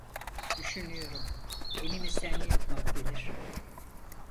Düşünüyorum: Elimizden ne yapmak gelir?